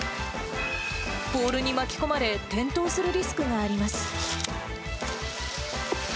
ポールに巻き込まれ、転倒するリスクがあります。